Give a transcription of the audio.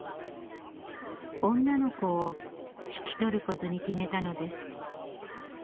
女の子を引き取ることに決めたのです。